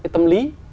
cái tâm lý